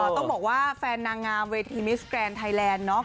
ต้องบอกว่าแฟนนางงามเวทีมิสแกรนด์ไทยแลนด์เนาะ